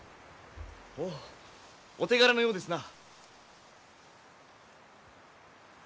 おおお手柄のようですな。